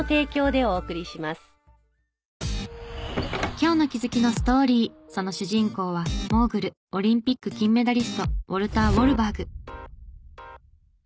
今日の気づきのストーリーその主人公はモーグルオリンピック金メダリストウォルター・ウォルバーグ。